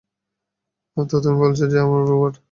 তো তুমি বলছ যে আমরা রোবট?